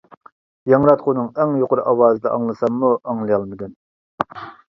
ياڭراتقۇنىڭ ئەڭ يۇقىرى ئاۋازىدا ئاڭلىساممۇ ئاڭلىيالمىدىم.